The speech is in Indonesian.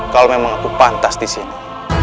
kalau memang aku pantas disini